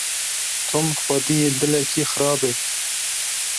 Tom xwediyê dilekî xirab e.